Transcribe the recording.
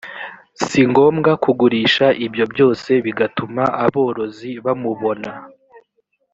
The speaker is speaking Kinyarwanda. si ngombwa kugurisha ibyo byose bigatuma aborozi bamubona